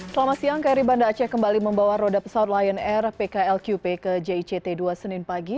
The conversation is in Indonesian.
selamat siang kri banda aceh kembali membawa roda pesawat lion air pklqp ke jict dua senin pagi